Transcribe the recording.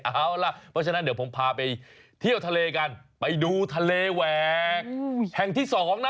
เอาล่ะเพราะฉะนั้นเดี๋ยวผมพาไปเที่ยวทะเลกันไปดูทะเลแหวกแห่งที่๒นะ